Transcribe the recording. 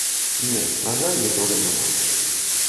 Не, на жаль, нічога няма.